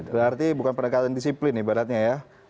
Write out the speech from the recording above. berarti bukan penegakan disiplin ibaratnya ya